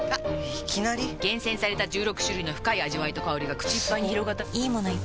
いきなり・・・厳選された十六種類の深い味わいと香りがくち一杯に広がったと思いきや・・・すご！